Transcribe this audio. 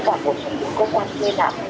trong những cơ quan kia nào